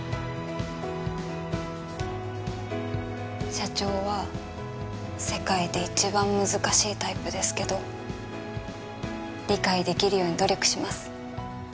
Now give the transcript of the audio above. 社長は世界で一番難しいタイプですけど理解できるように努力します。